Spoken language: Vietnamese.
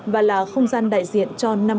và là không gian đại diện cho năm khối lực lượng gồm